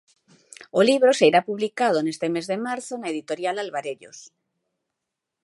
O libro sairá publicado neste mes de marzo na editorial Alvarellos.